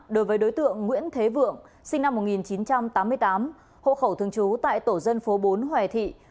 đối với đối tượng nguyễn thế vượng sinh năm một nghìn chín trăm tám mươi tám hộ khẩu thương chú tại tổ dân phố bốn hòa thị